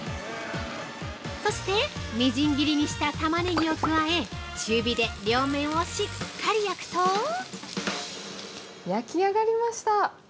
そして、みじん切りにしたタマネギを加え中火で両面をしっかり焼くと◆焼き上がりました。